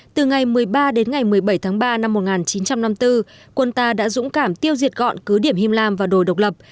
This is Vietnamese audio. từ ngày một mươi ba đến ngày một mươi bảy tháng ba năm một nghìn chín trăm năm mươi bốn quân ta đã dũng cảm tiêu diệt gọn cứ điểm him lam và đồ độc lập